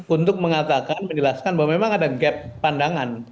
untuk mengatakan menjelaskan bahwa memang ada gap pandangan